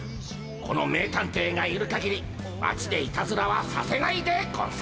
この名探偵がいるかぎり町でいたずらはさせないでゴンス。